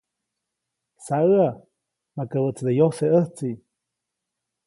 Saʼäʼa, makabäʼtside yojseʼ ʼäjtsi.